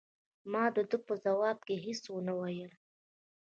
ما د ده په ځواب کې هیڅ ونه ویل.